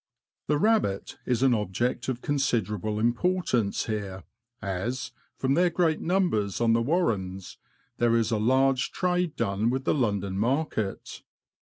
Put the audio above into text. The rabbit is an object of considerable importance here, as, from their great numbers on the warrens, there is a large trade done with the London market.